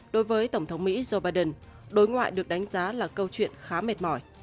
đối với tổng thống mỹ joe biden đối ngoại được đánh giá là câu chuyện khá mệt mỏi